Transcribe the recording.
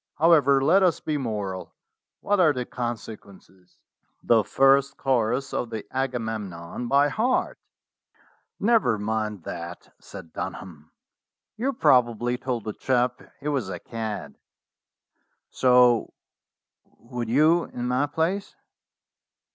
However, let us be moral. What are the conse quences ?" "The first chorus of the 'Agamemnon' by heart." THE CELESTIAL'S EDITORSHIP 239 "Never mind that," said Dunham. "You probably told the chap he was a cad." "So would you in my place."